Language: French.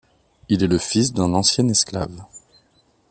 Il est le fils d'un ancien esclave.